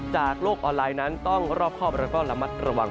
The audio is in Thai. โลกออนไลน์นั้นต้องรอบครอบแล้วก็ระมัดระวัง